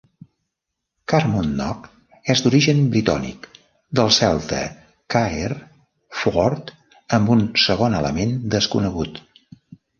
Carmunnock és d'origen britònic, del celta "caer", "fort", amb un segon element desconegut.